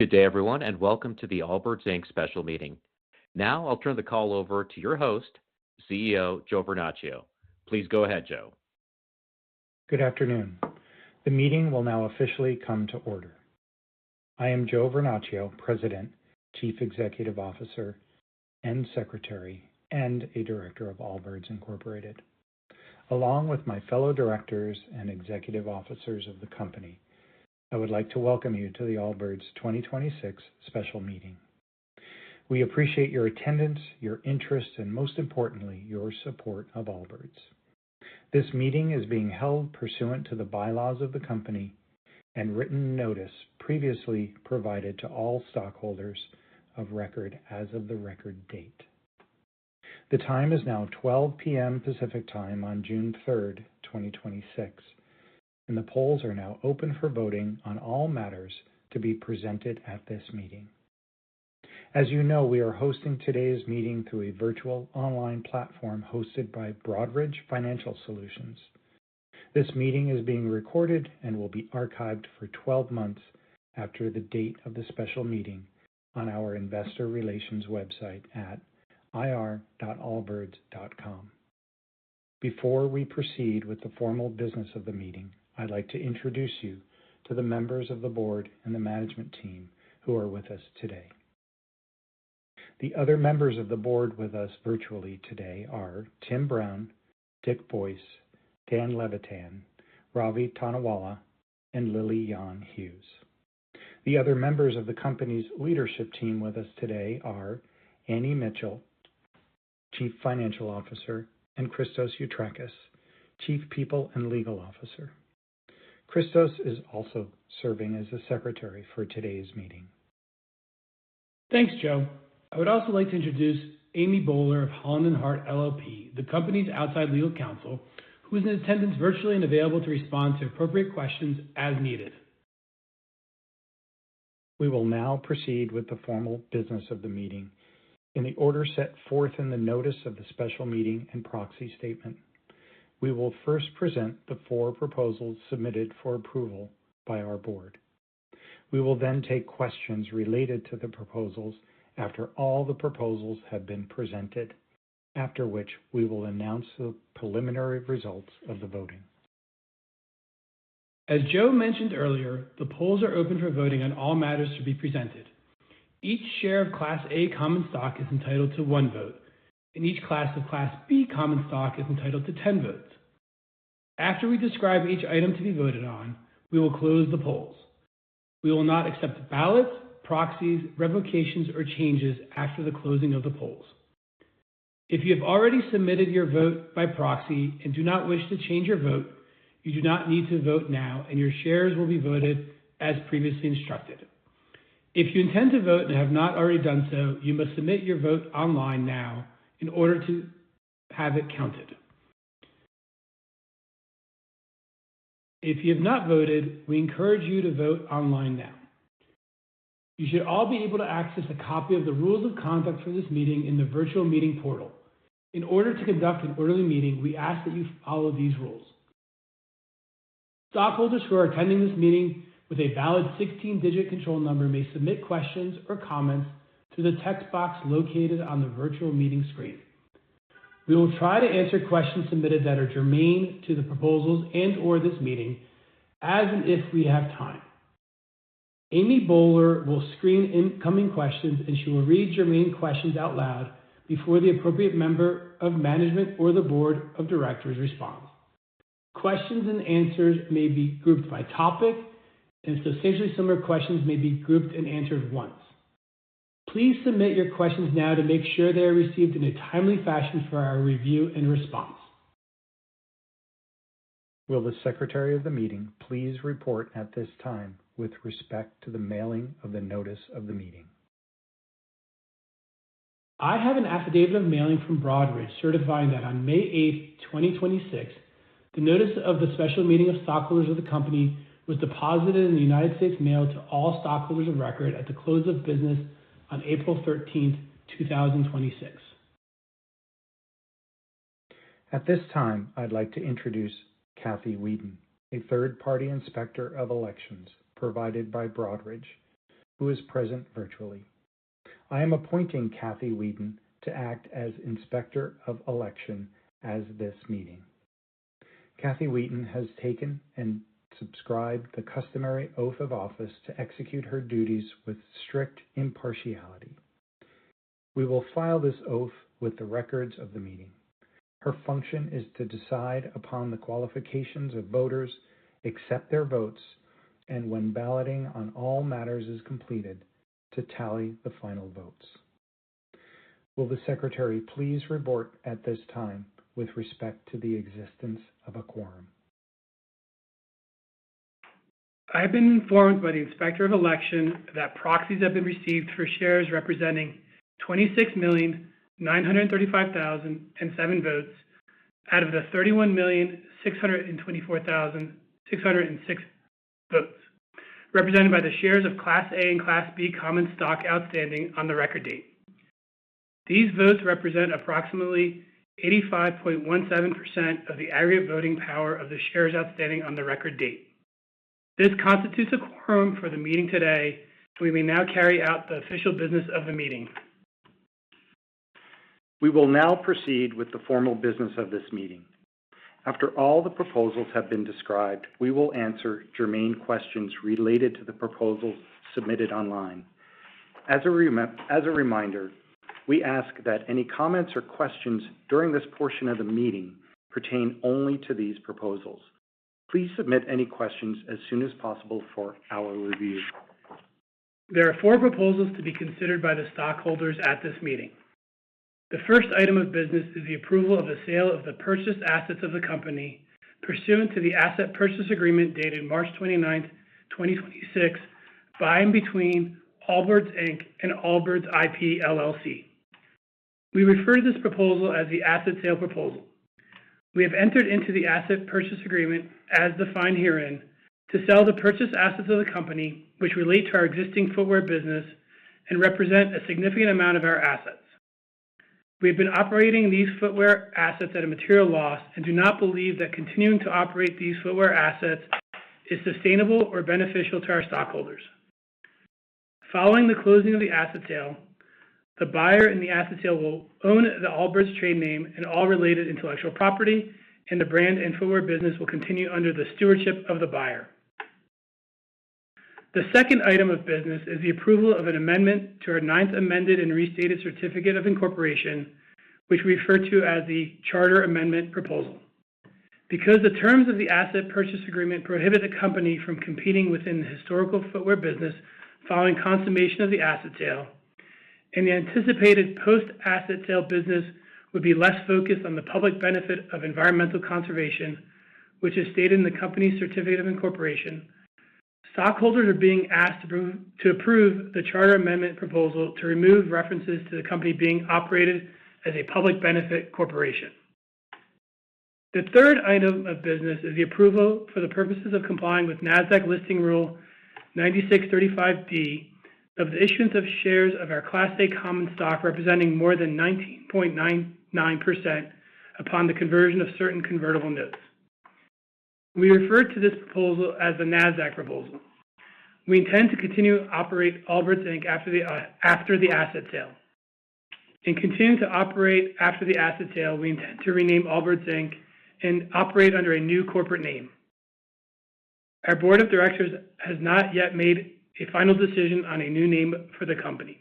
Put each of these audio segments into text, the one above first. Good day, everyone, and welcome to the Allbirds, Inc. special meeting. Now I'll turn the call over to your host, CEO, Joe Vernachio. Please go ahead, Joe. Good afternoon. The meeting will now officially come to order. I am Joe Vernachio, President, Chief Executive Officer, and Secretary, and a Director of Allbirds, Inc. Along with my fellow Directors and Executive Officers of the company, I would like to welcome you to the Allbirds 2026 Special Meeting. We appreciate your attendance, your interest, and most importantly, your support of Allbirds. This meeting is being held pursuant to the bylaws of the company and written notice previously provided to all stockholders of record as of the record date. The time is now 12:00 P.M. Pacific Time on June 3rd, 2026, and the polls are now open for voting on all matters to be presented at this meeting. As you know, we are hosting today's meeting through a virtual online platform hosted by Broadridge Financial Solutions. This meeting is being recorded and will be archived for 12 months after the date of the special meeting on our investor relations website at ir.allbirds.com. Before we proceed with the formal business of the meeting, I'd like to introduce you to the members of the board and the management team who are with us today. The other members of the board with us virtually today are Tim Brown, Dick Boyce, Dan Levitan, Ravi Thanawala, and Lily Yan Hughes. The other members of the company's leadership team with us today are Annie Mitchell, Chief Financial Officer, and Christos Yatrakis, Chief People and Legal Officer. Christos is also serving as the secretary for today's meeting. Thanks, Joe. I would also like to introduce Amy Bowler of Holland & Hart LLP, the company's outside legal counsel, who is in attendance virtually and available to respond to appropriate questions as needed. We will now proceed with the formal business of the meeting in the order set forth in the notice of the special meeting and proxy statement. We will first present the four proposals submitted for approval by our board. We will then take questions related to the proposals after all the proposals have been presented, after which we will announce the preliminary results of the voting. As Joe mentioned earlier, the polls are open for voting on all matters to be presented. Each share of Class A common stock is entitled to one vote, and each class of Class B common stock is entitled to 10 votes. After we describe each item to be voted on, we will close the polls. We will not accept ballots, proxies, revocations, or changes after the closing of the polls. If you have already submitted your vote by proxy and do not wish to change your vote, you do not need to vote now and your shares will be voted as previously instructed. If you intend to vote and have not already done so, you must submit your vote online now in order to have it counted. If you have not voted, we encourage you to vote online now. You should all be able to access a copy of the rules of conduct for this meeting in the virtual meeting portal. In order to conduct an orderly meeting, we ask that you follow these rules. Stockholders who are attending this meeting with a valid 16-digit control number may submit questions or comments through the text box located on the virtual meeting screen. We will try to answer questions submitted that are germane to the proposals and/or this meeting as and if we have time. Amy Bowler will screen incoming questions, and she will read germane questions out loud before the appropriate member of management or the board of directors responds. Questions and answers may be grouped by topic, and substantially similar questions may be grouped and answered once. Please submit your questions now to make sure they are received in a timely fashion for our review and response. Will the secretary of the meeting please report at this time with respect to the mailing of the notice of the meeting? I have an affidavit of mailing from Broadridge certifying that on May 8th, 2026, the notice of the special meeting of stockholders of the company was deposited in the United States Mail to all stockholders of record at the close of business on April 13th, 2026. At this time, I'd like to introduce Katherine Wheaton, a third-party inspector of elections provided by Broadridge, who is present virtually. I am appointing Katherine Wheaton to act as inspector of election as this meeting. Katherine Wheaton has taken and subscribed the customary oath of office to execute her duties with strict impartiality. We will file this oath with the records of the meeting. Her function is to decide upon the qualifications of voters, accept their votes, and when balloting on all matters is completed, to tally the final votes. Will the secretary please report at this time with respect to the existence of a quorum? I have been informed by the Inspector of Elections that proxies have been received for shares representing 26,935,007 votes out of the 31,624,606 votes, represented by the shares of Class A and Class B common stock outstanding on the record date. These votes represent approximately 85.17% of the aggregate voting power of the shares outstanding on the record date. This constitutes a quorum for the meeting today, we may now carry out the official business of the meeting. We will now proceed with the formal business of this meeting. After all the proposals have been described, we will answer germane questions related to the proposals submitted online. As a reminder, we ask that any comments or questions during this portion of the meeting pertain only to these proposals. Please submit any questions as soon as possible for our review. There are four proposals to be considered by the stockholders at this meeting. The first item of business is the approval of the sale of the purchase assets of the company pursuant to the asset purchase agreement dated March 29, 2026 by and between Allbirds, Inc. and Allbirds IP LLC. We refer to this proposal as the asset sale proposal. We have entered into the asset purchase agreement, as defined herein, to sell the purchase assets of the company, which relate to our existing footwear business and represent a significant amount of our assets. We have been operating these footwear assets at a material loss and do not believe that continuing to operate these footwear assets is sustainable or beneficial to our stockholders. Following the closing of the asset sale, the buyer in the asset sale will own the Allbirds trade name and all related intellectual property, and the brand and footwear business will continue under the stewardship of the buyer. The second item of business is the approval of an amendment to our Ninth Amended and Restated Certificate of Incorporation, which we refer to as the Charter Amendment Proposal. Because the terms of the asset purchase agreement prohibit the company from competing within the historical footwear business following consummation of the asset sale, and the anticipated post-asset sale business would be less focused on the public benefit of environmental conservation, which is stated in the company's certificate of incorporation, stockholders are being asked to approve the Charter Amendment Proposal to remove references to the company being operated as a public benefit corporation. The third item of business is the approval for the purposes of complying with Nasdaq listing Rule 5635 of the issuance of shares of our Class A common stock representing more than 19.99% upon the conversion of certain convertible notes. We refer to this proposal as the Nasdaq Proposal. We intend to continue to operate Allbirds, Inc. after the asset sale. Continue to operate after the asset sale, we intend to rename Allbirds, Inc. and operate under a new corporate name. Our board of directors has not yet made a final decision on a new name for the company.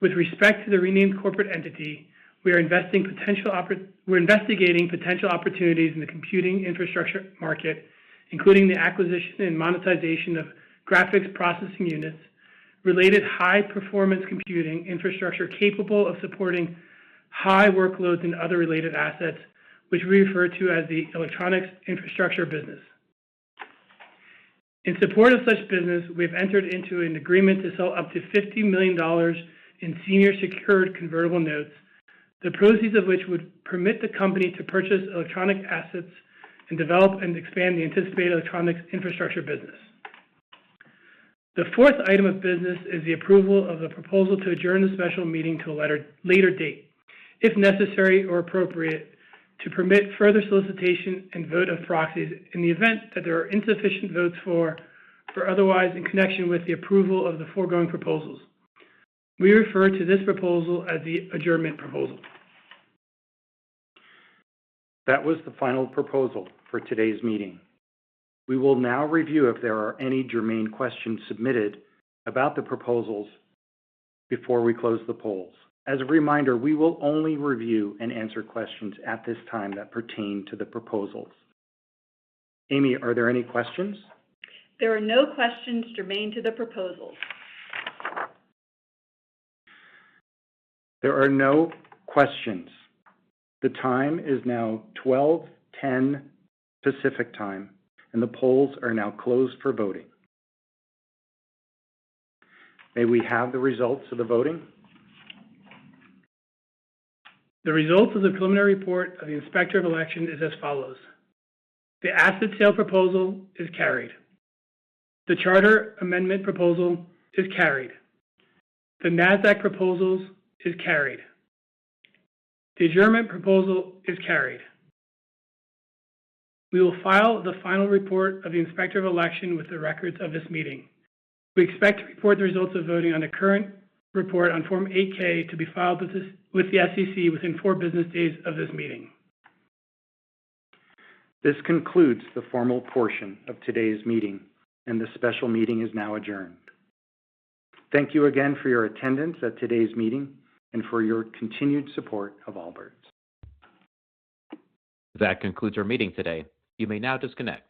With respect to the renamed corporate entity, we're investigating potential opportunities in the computing infrastructure market, including the acquisition and monetization of graphics processing units, related high-performance computing infrastructure capable of supporting high workloads and other related assets, which we refer to as the electronics infrastructure business. In support of such business, we have entered into an agreement to sell up to $50 million in senior secured convertible notes, the proceeds of which would permit the company to purchase electronic assets and develop and expand the anticipated electronics infrastructure business. The fourth item of business is the approval of the proposal to adjourn the special meeting to a later date, if necessary or appropriate, to permit further solicitation and vote of proxies in the event that there are insufficient votes for or otherwise in connection with the approval of the foregoing proposals. We refer to this proposal as the Adjournment Proposal. That was the final proposal for today's meeting. We will now review if there are any germane questions submitted about the proposals before we close the polls. As a reminder, we will only review and answer questions at this time that pertain to the proposals. Amy, are there any questions? There are no questions germane to the proposals. There are no questions. The time is now 12:10 P.M. Pacific Time, and the polls are now closed for voting. May we have the results of the voting? The results of the preliminary report of the Inspector of Election is as follows. The Asset Sale Proposal is carried. The Charter Amendment Proposal is carried. The Nasdaq Proposal is carried. The Adjournment Proposal is carried. We will file the final report of the Inspector of Election with the records of this meeting. We expect to report the results of voting on the current report on Form 8-K to be filed with the SEC within four business days of this meeting. This concludes the formal portion of today's meeting, and this special meeting is now adjourned. Thank you again for your attendance at today's meeting and for your continued support of Allbirds. That concludes our meeting today. You may now disconnect.